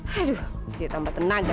aduh dia tambah tenaga